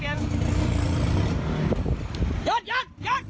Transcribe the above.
กินให้ไว้นะครับ